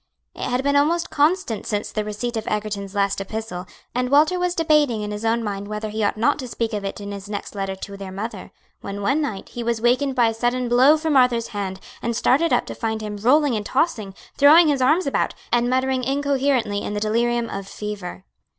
It had been almost constant since the receipt of Egerton's last epistle, and Walter was debating in his own mind whether he ought not to speak of it in his next letter to their mother, when one night he was wakened by a sudden blow from Arthur's hand, and started up to find him rolling and tossing, throwing his arms about, and muttering incoherently in the delirium of fever.